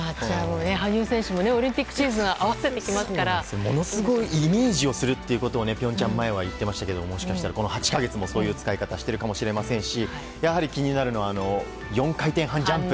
羽生選手もオリンピックシーズンはものすごくイメージをするということを平昌前は言っていましたけどもしかしたらこの８か月もそういう使い方をしているかもしれないですしやはり気になるのは４回転半ジャンプ。